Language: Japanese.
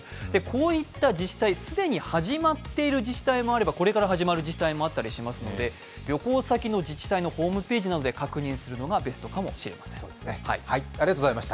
こういった自治体、既に始まっている自治体もあれば、これから始まる自治体もあったりしますので旅行先の自治体のホームページなどで確認するのがベストかもしれません。